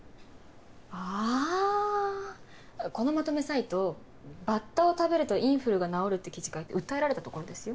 あこのまとめサイト「バッタを食べるとインフルが治る」って記事書いて訴えられた所ですよ。